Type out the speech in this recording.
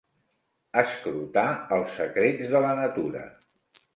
Escrutar els secrets de la natura.